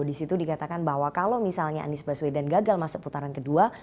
di situ dikatakan bahwa kalau misalnya anies baswedan gagal masuk putaran kedua